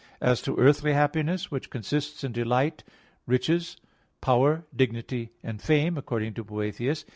As to earthly happiness, which consists in delight, riches, power, dignity, and fame, according to Boethius (De Consol.